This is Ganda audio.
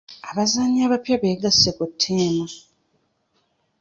abazannyi abapya beegasse ku ttiimu.